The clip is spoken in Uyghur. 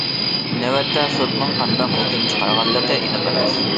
نۆۋەتتە سوتنىڭ قانداق ھۆكۈم چىقارغانلىقى ئېنىق ئەمەس.